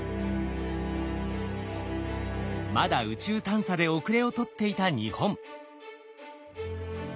まだ宇宙探査で後れを取っていた日本。